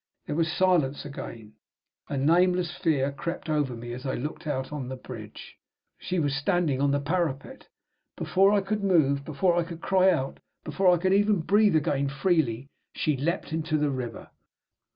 There was silence again. A nameless fear crept over me, as I looked out on the bridge. She was standing on the parapet. Before I could move, before I could cry out, before I could even breathe again freely, she leaped into the river.